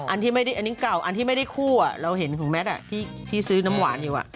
ที่ไม่ได้อันนี้เก่าอันที่ไม่ได้คู่เราเห็นของแมทที่ซื้อน้ำหวานอยู่